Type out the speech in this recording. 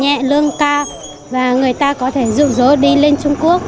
nhẹ lương cao và người ta có thể dụ dỗ đi lên trung quốc